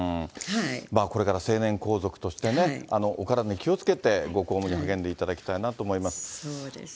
これから成年皇族としてね、お体に気をつけて、ご公務に励んでいただきたいなと思います。